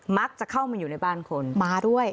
มักจะเข้ามาอยู่ในบ้านคนมาด้วย